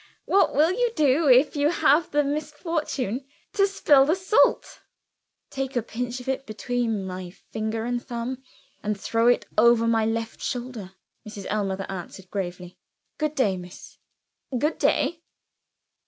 What will you do, if you have the misfortune to spill the salt?" "Take a pinch between my finger and thumb, and throw it over my left shoulder," Mrs. Ellmother answered gravely. "Good day, miss." "Good day."